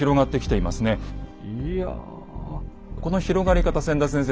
いやこの広がり方千田先生